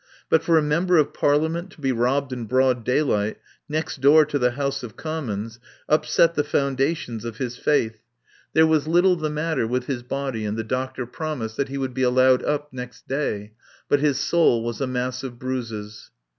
But for a Member of Parliament to be robbed in broad daylight next door to the House of Commons upset the foundations of his faith. There was little the 204 THE POWER HOUSE matter with his body and the doctor promised that he would be allowed up next day, but his soul was a mass of bruises.